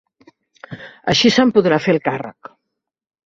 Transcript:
Així se'n podrà fer el càrrec.